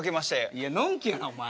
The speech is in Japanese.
いやのんきやなお前。